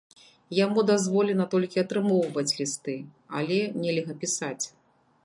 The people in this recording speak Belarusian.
Яму дазволена толькі атрымоўваць лісты, але нельга пісаць.